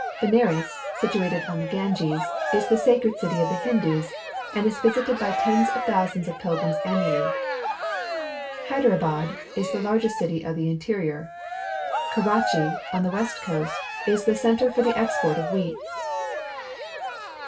Benares. situated on the Ganges, is the sacred city of the Hindus and is visited by tens of thou sands of pilgrims annuallj*. Hyderabad is the largest city of the interior. Karachi^ on the west coast, is the centre for the export of wheat.